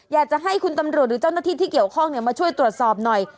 อยากจะให้คุณตำรวจหรือเจ้าหน้าที่ที่เกี่ยวข้องมาช่วยตรวจสอบหน่อย